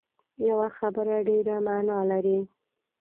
یوه خبره ډېره معنا لري